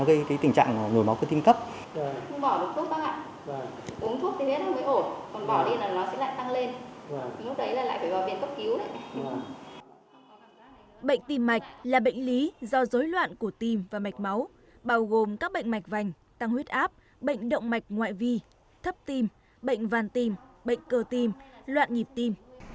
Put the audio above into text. bệnh tim mạch là bệnh lý do dối loạn của tim và mạch máu bao gồm các bệnh mạch vành tăng huyết áp bệnh động mạch ngoại vi thấp tim bệnh vàn tim bệnh cơ tim loạn nhịp tim